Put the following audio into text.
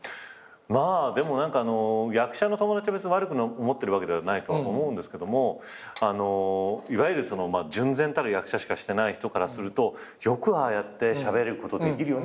まあでも役者の友達別に悪く思ってるわけではないとは思うんですけどもいわゆる純然たる役者しかしてない人からすると「よくああやってしゃべることできるよね」